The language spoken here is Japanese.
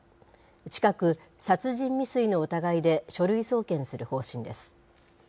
近く、殺人未遂の疑いで書類送検する方針です。